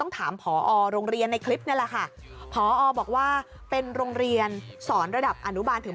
ถามผอโรงเรียนในคลิปนี่แหละค่ะพอบอกว่าเป็นโรงเรียนสอนระดับอนุบาลถึง